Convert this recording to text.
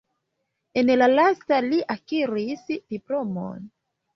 En la lasta li akiris diplomon.